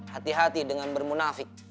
hati hati dengan bermunafik